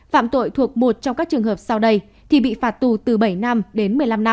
phạm tội thuộc một trong các trường hợp sau đây thì bị phạt tù từ bảy năm đến một mươi năm năm